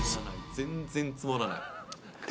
全然ツモらない。